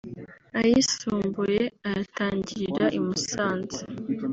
ayisumbuye ayatangirira i Musanze